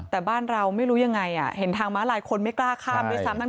แต่บ้านเราไม่รู้ยังไงเห็นทางม้าลายคนไม่กล้าข้ามด้วยซ้ำ